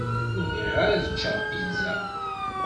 Ur bɣiɣ ara ad ččeɣ pizza.